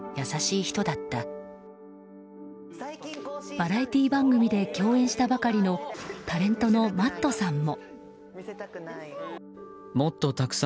バラエティー番組で共演したばかりのタレントのＭａｔｔさんも。